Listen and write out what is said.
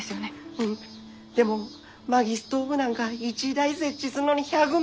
うんでも薪ストーブなんか一台設置すんのに１００万よ？